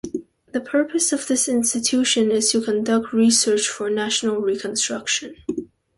The purpose of this institution is to conduct research for national reconstruction.